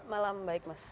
malam baik mas